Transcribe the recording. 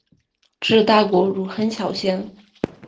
治大国如烹小鲜。